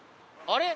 あれ？